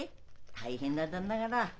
大変だったんだから。